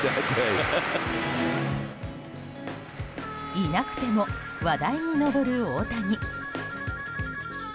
いなくても話題に上る大谷。